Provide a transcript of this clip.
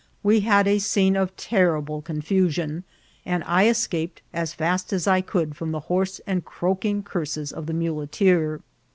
We had a •oene of terrible confusion, and I escaped as fast as I aould from the hoarse and croaking curses of the mule teer.